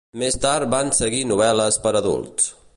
Més tard van seguir novel·les per adults.